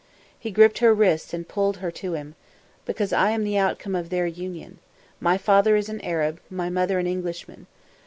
He gripped her wrists and pulled her to him. "Because I am the outcome of their union. My father is an Arab, my mother an Englishwoman.